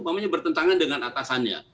namanya bertentangan dengan atasannya